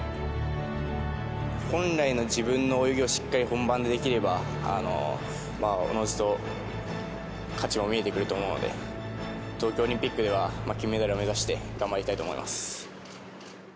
本来の自分の泳ぎをしっかり本番でできれば、おのずと勝ちも見えてくると思うので、東京オリンピックでは金メダルを目指して頑張りたいと思います。